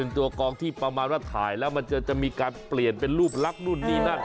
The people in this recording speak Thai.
ตัวกองที่ประมาณว่าถ่ายแล้วมันจะมีการเปลี่ยนเป็นรูปลักษณ์นู่นนี่นั่น